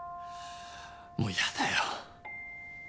もうやだよ。